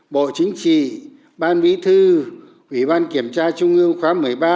bộ chính trị ban bí thư ủy ban kiểm tra trung ương khóa một mươi ba